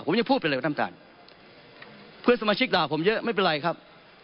ผมยังพูดเป็นเรื่องน้ำตาลเพื่อนสมาชิกด่าผมเยอะไม่เป็นไรครับ